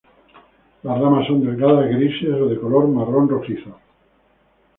Las ramas son delgadas, grises o de color marrón-rojizo.